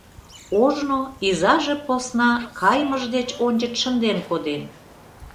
Ожно изаже посна кайымыж деч ончыч шынден коден.